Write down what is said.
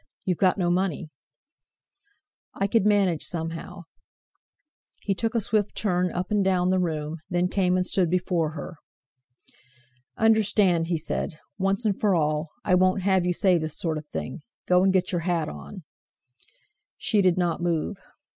You've got no money!" "I could manage somehow." He took a swift turn up and down the room; then came and stood before her. "Understand," he said, "once and for all, I won't have you say this sort of thing. Go and get your hat on!" She did not move.